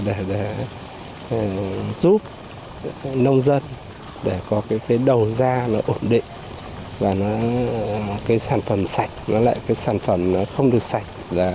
để giúp nông dân có đầu da ổn định sản phẩm sạch sản phẩm không được sạch